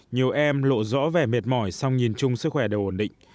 nhiều em lộ rõ vẻ mệt mỏi song nhìn chung sức khỏe đều ổn định